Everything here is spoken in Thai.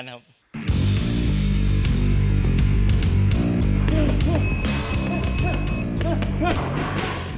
ด้านดรเอกรัจใชชดช่วง